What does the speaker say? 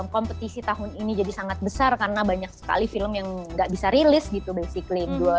kompetisi tahun ini jadi sangat besar karena banyak sekali film yang gak bisa rilis gitu basically